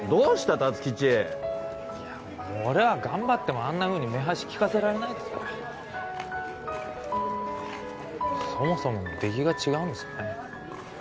辰吉俺は頑張ってもあんなふうに目端利かせられないですからそもそもの出来が違うんですかね